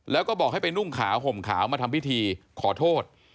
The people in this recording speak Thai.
แล้วก็บอกให้ไปนุ่งขาวห่มขาวมาทำพิธีขอโทษ